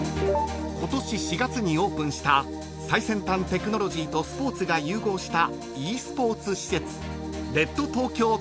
［今年４月にオープンした最先端テクノロジーとスポーツが融合したｅスポーツ施設］